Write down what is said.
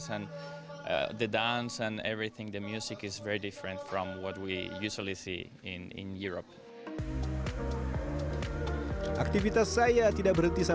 dan pembelaan dan semuanya musiknya sangat berbeda dengan apa yang kita biasanya lihat di eropa